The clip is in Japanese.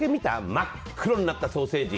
真っ黒になったソーセージ！